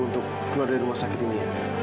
untuk keluar dari rumah sakit ini